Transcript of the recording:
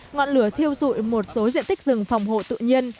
ngọn lửa thiêu dụi một số diện tích rừng phòng hộ tự nhiên